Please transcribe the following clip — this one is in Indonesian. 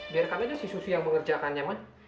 biar kami dan si susi yang mengerjakannya man